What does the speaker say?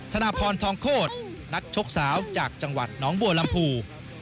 ธนพรทองโคตรนักชกสาวจากจังหวัดน้องบัวลำพู